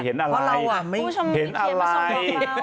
เพราะเราเห็นอะไร